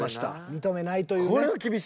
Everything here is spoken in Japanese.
認めないというね。